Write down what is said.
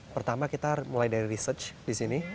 pertama kita mulai dari research di sini